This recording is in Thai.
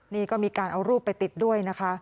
นี่ก็มีการเอารูปไปติดด้วยนะคะ